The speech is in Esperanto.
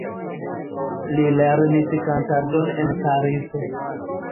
Li lernis kantadon en Parizo.